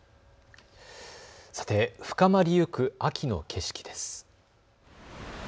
深まりゆく秋の景色です。